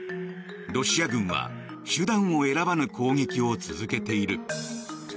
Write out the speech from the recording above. ロシア軍は手段を選ばぬ攻撃を続けている。